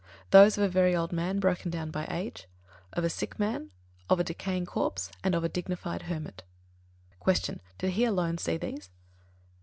Those of a very old man broken down by age, of a sick man, of a decaying corpse, and of a dignified hermit. 36. Q. _Did he alone see these?